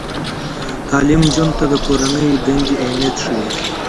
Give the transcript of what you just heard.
تعلیم نجونو ته د کورنۍ دندې اهمیت ښيي.